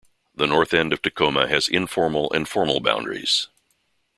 The North End of Tacoma has informal and formal boundaries.